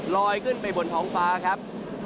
ลอยขึ้นไปบนท้องฟ้าครับ